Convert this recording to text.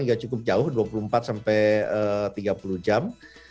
juga cukup jauh dua puluh empat sampai tiga puluh jam